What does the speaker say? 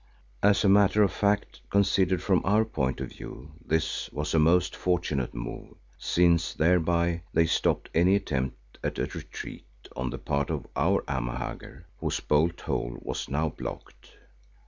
As a matter of fact, considered from our point of view, this was a most fortunate move, since thereby they stopped any attempt at a retreat on the part of our Amahagger, whose bolt hole was now blocked.